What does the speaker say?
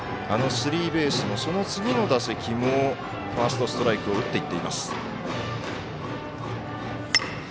あのスリーベースもその次の打席もファーストストライク打っていってます。